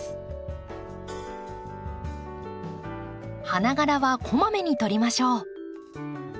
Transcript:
花がらはこまめに取りましょう。